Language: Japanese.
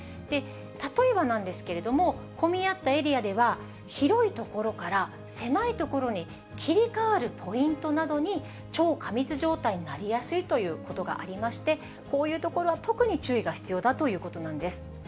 例えばなんですけれども、混み合ったエリアでは、広い所から狭い所に切り替わるポイントなどに超過密状態になりやすいということがありまして、こういうところは特に注意が必要だということなんです。